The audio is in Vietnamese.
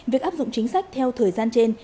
việc áp dụng chính sách theo thời gian trên